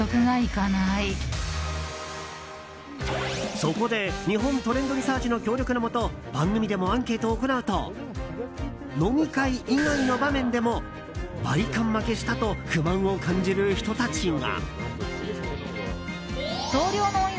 そこで日本トレンドリサーチの協力のもと番組でもアンケートを行うと飲み会以外の場面でもワリカン負けしたと不満を感じる人たちが。